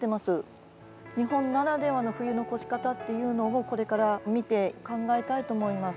日本ならではの冬の越し方っていうのをこれから見て考えたいと思います。